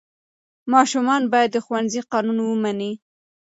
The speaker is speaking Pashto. ماشومان باید د ښوونځي قانون ومني.